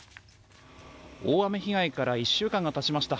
大雨被害から１週間がたちました。